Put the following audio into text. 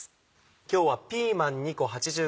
今日はピーマン２個８０ｇ。